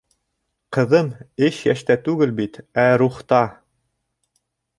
— Ҡыҙым, эш йәштә түгел бит, ә рухта!